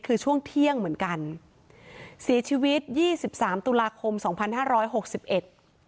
คือช่วงเที่ยงเหมือนกันเสียชีวิตยี่สิบสามตุลาคมสองพันห้าร้อยหกสิบเอ็ด